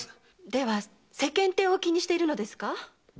では世間体を気にしているのですか？